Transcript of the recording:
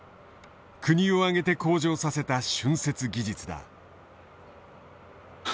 国を挙げて向上させた浚渫技術だ。